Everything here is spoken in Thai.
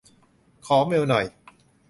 ขอเมลหน่อย